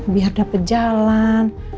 biar dapet jalan